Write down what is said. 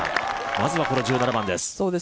まずはこの１７番です。